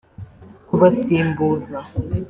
kubasimbuza